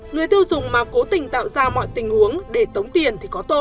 người tiêu dùng mà cố tình tạo ra mọi tình huống để tống tiền